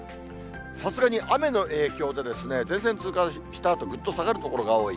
さすがに雨の影響で、前線通過したあと、ぐっと下がる所が多い。